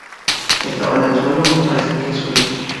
estaba en el suelo. me parece que es suyo.